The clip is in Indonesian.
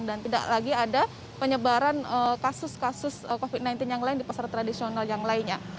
dan tidak lagi ada penyebaran kasus kasus covid sembilan belas yang lain di pasar tradisional yang lainnya